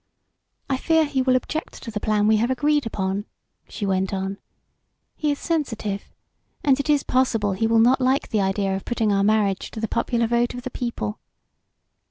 "I fear he will object to the plan we have agreed upon," she went on. "He is sensitive, and it is possible he will not like the idea of putting our marriage to the popular vote of the people."